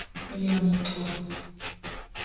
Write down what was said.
Миллионитӏу.